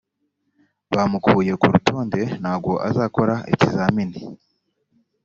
bamukuye ku rutonde ntago azakora ikizamini